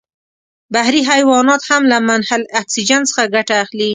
بحري حیوانات هم له منحل اکسیجن څخه ګټه اخلي.